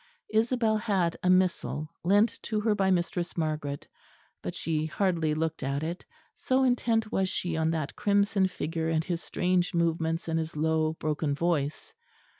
Isabel had a missal, lent to her by Mistress Margaret; but she hardly looked at it; so intent was she on that crimson figure and his strange movements and his low broken voice.